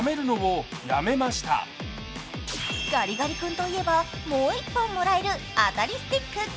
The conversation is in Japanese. ガリガリ君と言えばもう一本もらえる当たりスティック。